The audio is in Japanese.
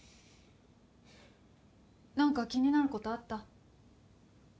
何か気になることあった？